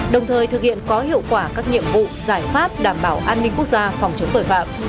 đồng thời thực hiện có hiệu quả các nhiệm vụ giải pháp đảm bảo an ninh quốc gia phòng chống tội phạm